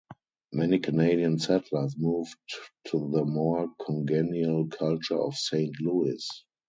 Many Canadien settlers moved to the more congenial culture of Saint Louis.